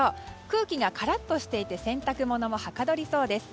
空気がカラッとしていて洗濯物もはかどりそうです。